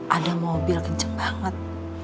ada mobil kenceng banget